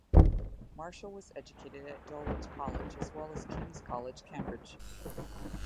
Marshall was educated at Dulwich College as well as King's College, Cambridge.